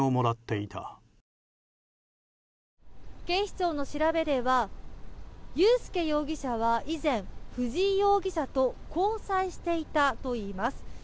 警視庁の調べでは優介容疑者は以前藤井容疑者と交際していたといいます。